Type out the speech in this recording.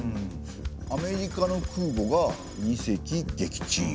「アメリカの空母が二隻撃沈」。